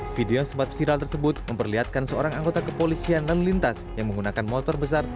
video yang sempat viral tersebut memperlihatkan seorang anggota kepolisian lalu lintas yang menggunakan motor besar